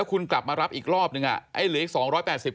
ขอบคุณครับและขอบคุณครับ